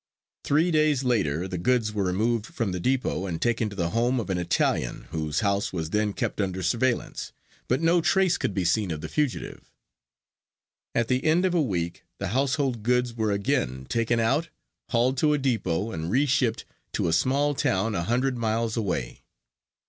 Three days later the goods were removed from the depot and taken to the home of an Italian, whose house was then kept under surveillance, but no trace could be seen of the fugitive. At the end of a week the household goods were again taken out, hauled to a depot and re shipped to a small town a hundred miles away.